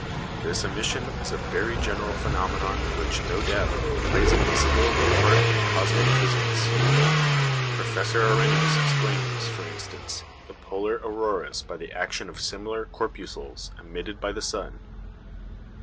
This emission is a very general phenomenon which, no doubt, plays a considerable part in cosmic physics. Professor Arrhenius explains, for instance, the polar auroras by the action of similar corpuscules emitted by the sun.